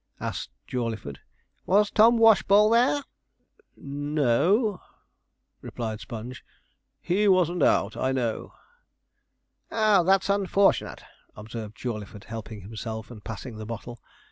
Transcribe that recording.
asked Jawleyford. 'Was Tom Washball there?' 'No,' replied Sponge: 'he wasn't out, I know.' 'Ah, that's unfortunate,' observed Jawleyford, helping himself and passing the bottle.